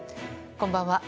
こんばんは。